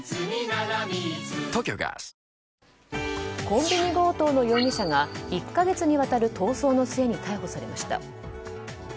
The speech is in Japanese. コンビニ強盗の容疑者が１か月にわたる逃走の末に逮捕されました。